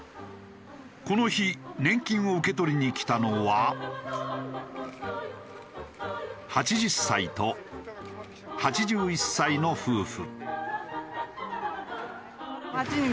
この日年金を受け取りに来たのは８０歳と８１歳の夫婦。